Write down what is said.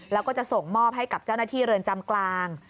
แล้วก็จะส่งมอบให้กับเจ้าหน้าที่เรือนจำกลาง